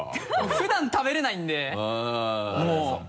普段食べれないんでもう。